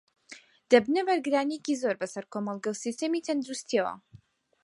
دەبنە بارگرانییەکی زۆر بەسەر کۆمەڵگە و سیستمی تەندروستییەوە